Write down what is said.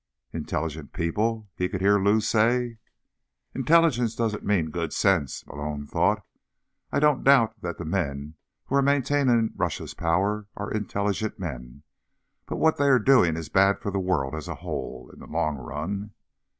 _ "Intelligent people?" he could hear Lou say. Intelligence doesn't mean good sense, Malone thought. _I don't doubt that the men who are maintaining Russia's power are intelligent men— but what they're doing is bad for the world as a whole, in the long run.